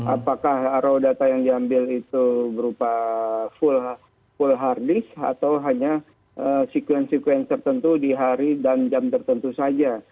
apakah raw data yang diambil itu berupa full hard disk atau hanya sekuen sekuen tertentu di hari dan jam tertentu saja